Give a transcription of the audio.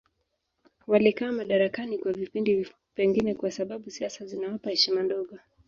Walikaa madarakani kwa vipindi vifupi pengine kwa sababu siasa zinawapa heshima ndogo